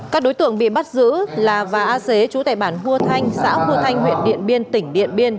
các đối tượng bị bắt giữ là và a xế chú tải bản hua thanh xã hua thanh huyện điện biên tỉnh điện biên